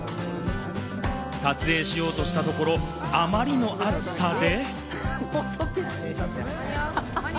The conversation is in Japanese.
撮影しようとしたところ、あまりの暑さで。